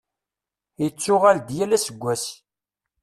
Yettuɣal-d yal aseggas.